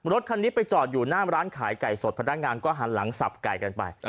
รถคันนี้ไปจอดอยู่หน้าร้านขายไก่สดพนักงานก็หันหลังสับไก่กันไป